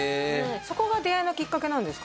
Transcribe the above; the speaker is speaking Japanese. そこが出会いのきっかけなんですか？